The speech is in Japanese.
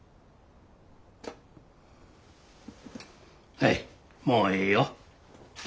はいもうええよ。